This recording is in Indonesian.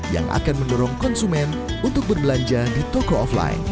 yang akan mendorong konsumen untuk berbelanja di toko offline